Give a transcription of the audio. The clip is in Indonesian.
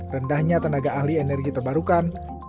rendahnya tenaga ahli energi terbarukan